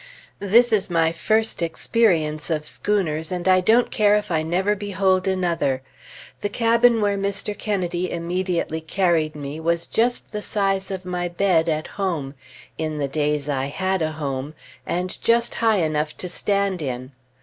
This is my first experience of schooners, and I don't care if I never behold another. The cabin where Mr. Kennedy immediately carried me, was just the size of my bed at home (in the days I had a home) and just high enough to stand in.